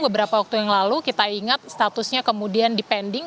beberapa waktu yang lalu kita ingat statusnya kemudian dipending